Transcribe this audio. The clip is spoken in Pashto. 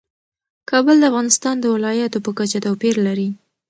کابل د افغانستان د ولایاتو په کچه توپیر لري.